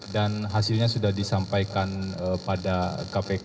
dan hasilnya sudah disampaikan pada kpk